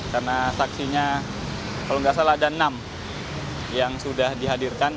karena saksinya kalau tidak salah ada enam yang sudah dihadirkan